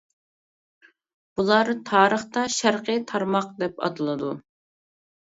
بۇلار تارىختا «شەرقىي تارماق» دەپ ئاتىلىدۇ.